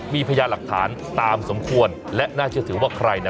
มีพยานหลักฐานตามสมควรและน่าเชื่อถือว่าใครนะ